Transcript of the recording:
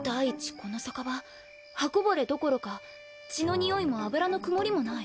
この逆刃刃こぼれどころか血のにおいも脂の曇りもない。